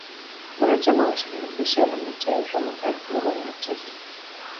mwanachama wa Shirikisho la Mataifa mwaka elfu Moja mia Tisa